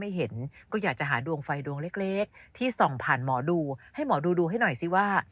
เห็นก็อยากจะหาดวงไฟดวงเล็กที่ส่องผ่านหมอดูให้หมอดูดูให้หน่อยสิว่า